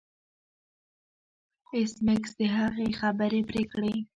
ایس میکس د هغې خبرې پرې کړې